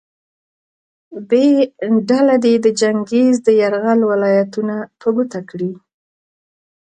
ب ډله دې د چنګیز د یرغل ولایتونه په ګوته کړي.